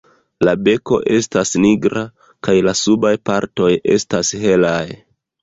La beko estas nigra kaj la subaj partoj estas helaj.